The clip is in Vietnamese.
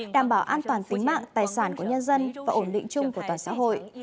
đảm bảo an toàn tính mạng tài sản của nhân dân và ổn định chung của toàn xã hội